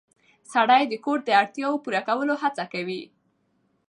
سړی د کور د اړتیاوو پوره کولو هڅه کوي